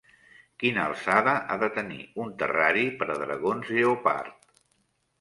Quina alçada ha de tenir un terrari per a dragons lleopard?